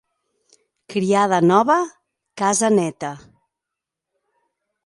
Criada nova, casa neta.